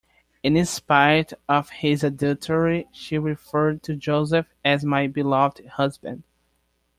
In spite of his adultery, she referred to Joseph as "my beloved husband".